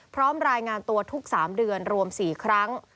พร้อมรายงานตัวทุก๓เดือนรวม๔ครั้ง